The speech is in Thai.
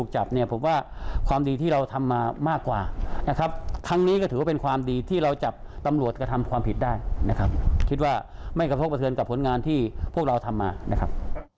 จะทำความผิดได้นะครับคิดว่าไม่กระทบกับผลงานที่พวกเราทำมานะครับ